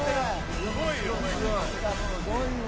すごいな。